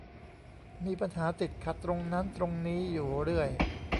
มีปัญหาติดขัดตรงนั้นตรงนี้อยู่เรื่อย